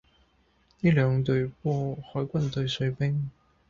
呢兩隊波海軍對水兵